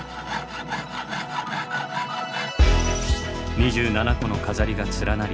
２７個の飾りが連なり